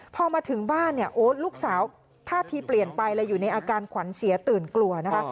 พอมาถึงบ้านเนี่ยโอ๊ตลูกสาวท่าทีเปลี่ยนไปเลยอยู่ในอาการขวัญเสียตื่นกลัวนะคะ